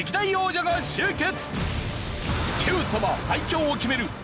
最強を決める